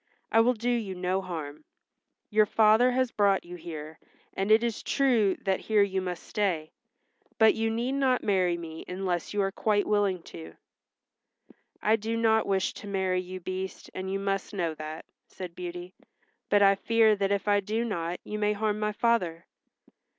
"I will do you no harm. Your father has brought you here, and it is true that here you must stay, but you need not marry me unless you are quite willing to." "I do not wish to marry you, Beast, and you must know that," said Beauty. "But I fear that if I do not you may harm my father."